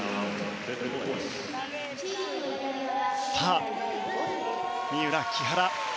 さあ三浦、木原。